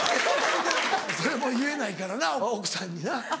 それも言えないからな奥さんにな。